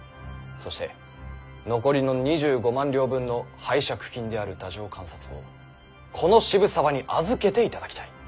そして残りの２５万両分の拝借金である太政官札をこの渋沢に預けていただきたい。